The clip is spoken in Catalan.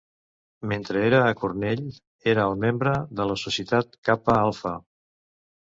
Mentre era a Cornell, era el membre de la Societat Kappa Alpha.